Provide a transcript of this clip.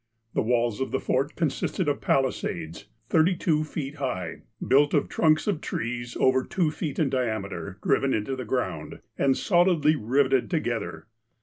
The walls of the Fort consisted of palisades, thirty two feet high, built of trunks of trees over two feet in di ameter driven into the ground, and solidly rivetted to gether.